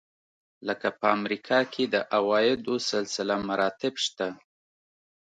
لکه په امریکا کې د عوایدو سلسله مراتب شته.